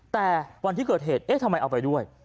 แต่วันที่เกิดเหตุเอ๊ะทำไมเอาไปด้วย